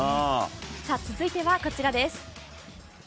続いてはこちらです。